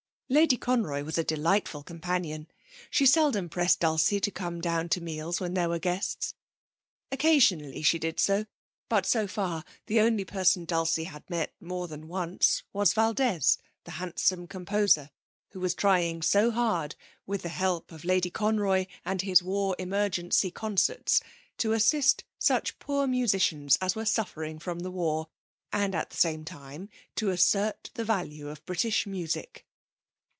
Lady Conroy was a delightful companion. She seldom pressed Dulcie to come down to meals when there were guests. Occasionally she did so, but so far the only person Dulcie had met more than once was Valdez, the handsome composer, who was trying so hard, with the help of Lady Conroy and his War Emergency Concerts, to assist such poor musicians as were suffering from the war, and at the same time to assert the value of British music.